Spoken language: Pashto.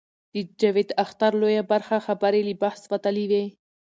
د جاوید اختر لویه برخه خبرې له بحث وتلې وې.